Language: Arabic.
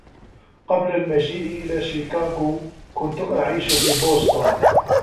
قبل المجيء إلى شيكاغو كنت أعيش في بوستن.